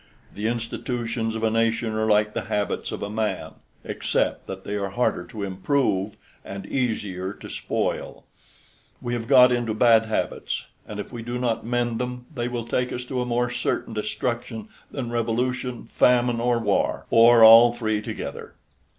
The institutions of a nation are like the habits of a man, except that they are harder to improve and easier to spoil. We have got into bad habits, and if we do not mend them they will take us to a more certain destruction than revolution, famine, or war, or all three together.